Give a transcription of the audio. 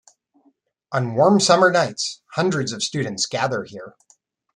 On warm summer nights, hundreds of students gather here.